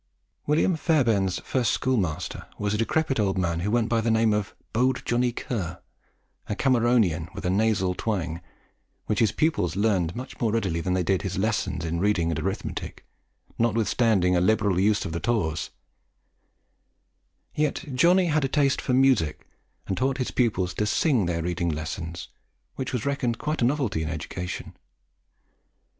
William Fairbairn's first schoolmaster was a decrepit old man who went by the name of "Bowed Johnnie Ker," a Cameronian, with a nasal twang, which his pupils learnt much more readily than they did his lessons in reading and arithmetic, notwithstanding a liberal use of "the tawse." Yet Johnnie had a taste for music, and taught his pupils to SING their reading lessons, which was reckoned quite a novelty in education.